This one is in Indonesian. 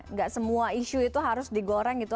nggak semua isu itu harus digoreng gitu